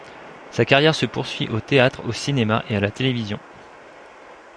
Sa carrière se poursuit au théâtre, au cinéma et à la télévision.